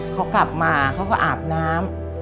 เขากลับมาเขาก็อาบน้ำ